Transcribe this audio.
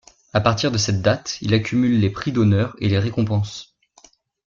À partir de cette date, il accumule les prix d’honneur et les récompenses.